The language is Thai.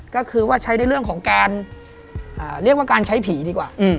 ก็คือว่าใช้ในเรื่องของการเรียกว่าการใช้ผีดีกว่า